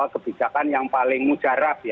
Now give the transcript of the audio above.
kebijakan yang paling mujarab